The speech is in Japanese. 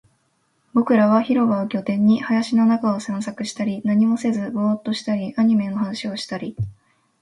僕らは広場を拠点に、林の中を探索したり、何もせずボーっとしたり、アニメの話をしたり